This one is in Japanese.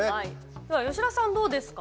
では吉田さん、どうですか？